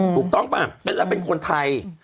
ถูกต้องปะหรือเป็นคนไทย